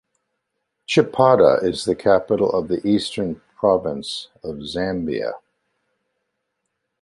Chipata is the capital of the Eastern Province of Zambia.